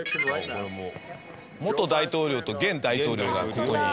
元大統領と現大統領がここに。